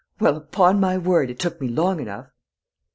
Well, upon my word, it took me long enough!"